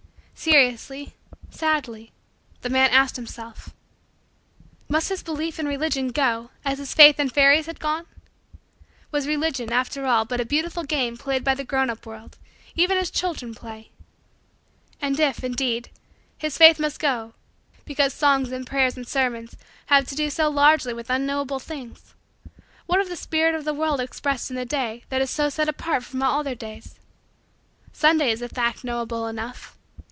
Seriously, sadly, the man asked himself: must his belief in Religion go as his faith in fairies had gone? Was Religion, after all, but a beautiful game played by the grown up world, even as children play? And if, indeed, his faith must go because songs and prayers and sermons have to do so largely with unknowable things, what of the spirit of the world expressed in the day that is so set apart from all other days? Sunday is a fact knowable enough.